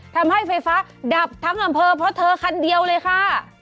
ทำให้ไฟฟ้าดับทั้งอำเภอเพราะเธอคันเดียวเลยค่ะ